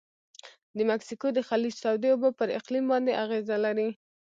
د مکسیکو د خلیج تودې اوبه پر اقلیم باندې اغیزه لري.